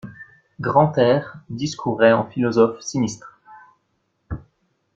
Grantaire discourait en philosophe sinistre.